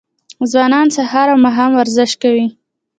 ځوانان سهار او ماښام ورزش کوي.